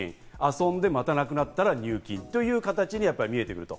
遊んで、またなくなったら入金という形に見えてくると。